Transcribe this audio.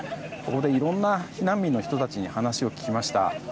ここでいろいろな避難民の人たちに話を聞きました。